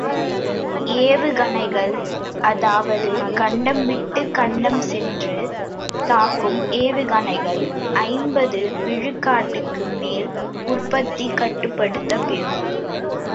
ஏவுகணைகள் அதாவது கண்டம் விட்டுக் கண்டம் சென்று தாக்கும் ஏவுகணைகள் ஐம்பது விழுக்காட்டுக்கு மேல், உற்பத்தி கட்டுப்படுத்தப் பெறும்.